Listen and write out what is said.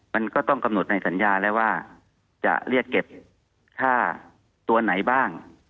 มันก็ต้องกำหนดในสัญญาแล้วว่าจะเรียกเก็บค่าตัวไหนบ้าง